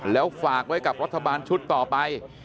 แล้วฝากไว้กับรัฐบาลชุดต่อไป